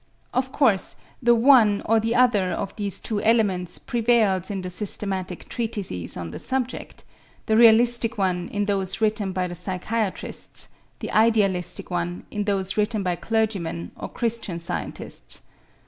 Of course the one or the other of these two elements prevails in the systematic treatises on the subject; the realistic one in those written by the psychiatrists, the idealistic one in those written by clergymen or Christian Scientists.